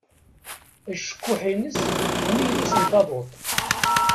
Acekkuḥ-ines am yilis n taduḍt.